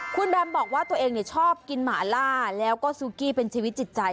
คุณแบมบอกว่าตัวเองชอบกินหมาล่าแล้วก็ซูกี้เป็นชีวิตจิตใจ